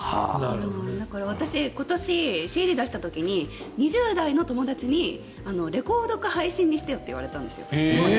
私、今年ＣＤを出した時に２０代の友達にレコードか配信にしてよって言われたんですよ。